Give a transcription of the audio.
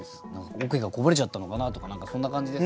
桶がこぼれちゃったのかなとか何かそんな感じですけどね。